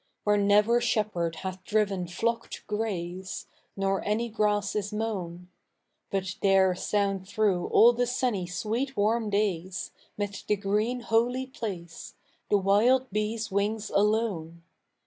Where ntver shepherd hath driven flock to gra .e, Nor any grass is mo'un ; But there soujid through all the sunny sweet warm days. Mid the green holy pi cue. The zvild bee's wings alone.